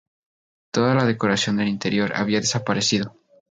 Toda la decoración del interior había desaparecido.